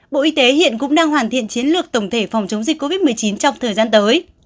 bộ y tế hiện cũng đang hoàn thiện chiến lược tổng thể phòng chống dịch covid một mươi chín trong thời gian tới